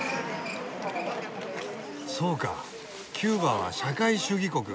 そうかキューバは社会主義国。